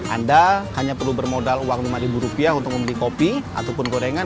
anda hanya perlu bermodal uang lima rupiah untuk membeli kopi ataupun gorengan